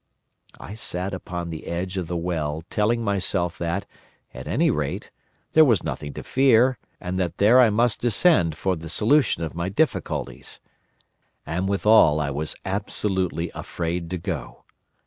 I sat upon the edge of the well telling myself that, at any rate, there was nothing to fear, and that there I must descend for the solution of my difficulties. And withal I was absolutely afraid to go!